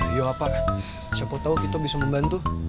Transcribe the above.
iya pak ete siapa tahu kita bisa membantu